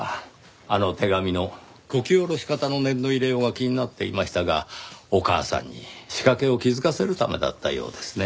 あの手紙のこき下ろし方の念の入れようが気になっていましたがお母さんに仕掛けを気づかせるためだったようですね。